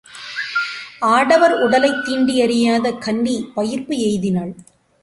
ஆடவர் உடலைத் தீண்டி யறியாத கன்னி பயிர்ப்பு எய்தினாள்.